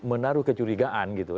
menaruh kecurigaan gitu